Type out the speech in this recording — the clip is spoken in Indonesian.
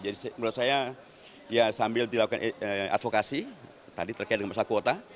jadi menurut saya ya sambil dilakukan advokasi tadi terkait dengan masalah kota